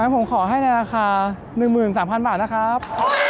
ผมขอให้ในราคา๑๓๐๐บาทนะครับ